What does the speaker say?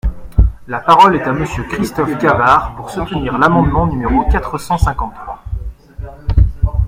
La parole est à Monsieur Christophe Cavard, pour soutenir l’amendement numéro quatre cent cinquante-trois.